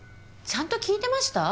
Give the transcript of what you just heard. ちゃんと聞いてました？